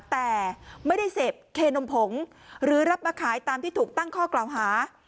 แต่ไม่ได้เสพเคนมผงหรือรับมาขายตามที่ถูกตั้งข้อกล่าวหา